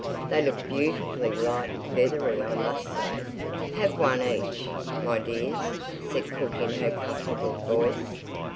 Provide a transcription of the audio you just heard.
"They look beautifully light and feathery, I must say." "Have one each, my dears," said cook in her comfortable voice.